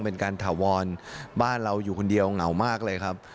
เป็นการถาวรบ้านเราอยู่คนเดียวเหงามากเลยครับ